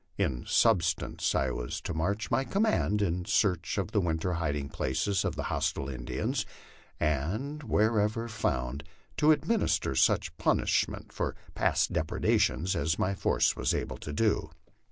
In substance, I was to march my command in search of the winter hiding places of the hostile Indians, and wherever found to administer such punishment for past depredations as my force wns able to.